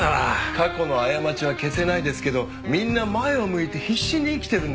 過去の過ちは消せないですけどみんな前を向いて必死に生きてるんですよ。